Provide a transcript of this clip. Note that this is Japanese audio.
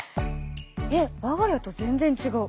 えっ我が家と全然違う。